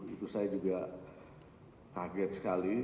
itu saya juga kaget sekali